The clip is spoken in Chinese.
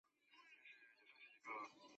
并发控制要解决的就是这类问题。